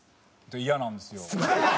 イヤなんですよ。